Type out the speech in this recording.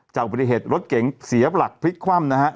เจ้าบริเหตุรถเก่งเสียบหลักพลิกคว่ำนะฮะ